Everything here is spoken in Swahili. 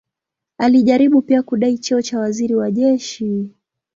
Alijaribu pia kudai cheo cha waziri wa jeshi.